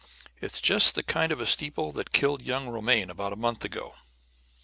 It's just the kind of a steeple that killed young Romaine about a month ago."